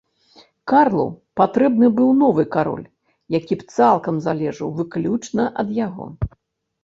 Карлу патрэбны быў новы кароль, які б цалкам залежаў выключна ад яго.